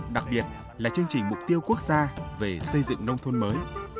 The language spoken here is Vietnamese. đặc biệt là chương trình mục tiêu quốc gia về xây dựng nông thôn mới